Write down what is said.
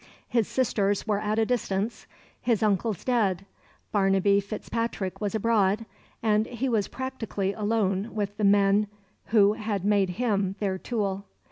His sisters were at a distance, his uncles dead, Barnaby Fitzpatrick was abroad, and he was practically alone with the men who had made him their tool.